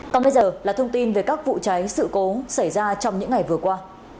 còn bây giờ là thông tin về các vụ cháy sự cố xảy ra trong những ngày vừa qua